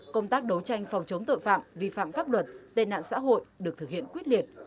công tác đấu tranh phòng chống tội phạm vi phạm pháp luật tên nạn xã hội được thực hiện quyết liệt